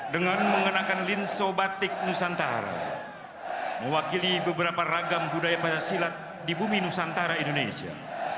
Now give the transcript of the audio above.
dengan mengenakan linso batik nusantara mewakili beberapa ragam budaya pancasila di bumi nusantara indonesia